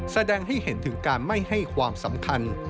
แสดงให้เห็นถึงการไม่ให้ความสำคัญ